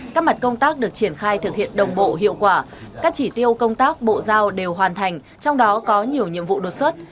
các mặt công tác được triển khai thực hiện đồng bộ hiệu quả các chỉ tiêu công tác bộ giao đều hoàn thành trong đó có nhiều nhiệm vụ đột xuất